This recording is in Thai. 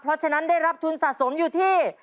เพราะฉะนั้นได้รับทุนสะสมอยู่ที่